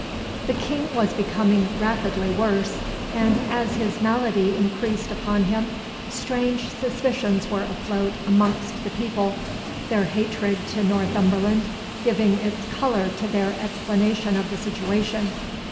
The King was becoming rapidly worse, and as his malady increased upon him, strange suspicions were afloat amongst the people, their hatred to Northumberland giving its colour to their explanation of the situation.